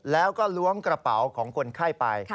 แล้วก็ล้วงกระเป๋าของคนไข้ไป